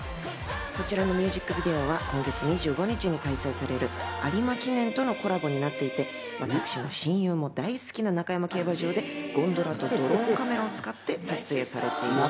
こちらのミュージックビデオは、今月２５日に開催される有馬記念とのコラボになっていて、私の親友も大好きな中山競馬場でゴンドラとドローンカメラを使って撮影されています。